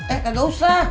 eh gak usah